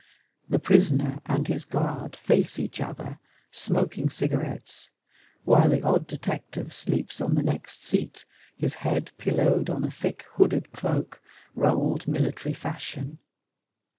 The prisoner and his guard face each other, smoking cigarettes, while the odd detective sleeps on the next seat, his head pillowed on a thick hooded cloak rolled military fashion.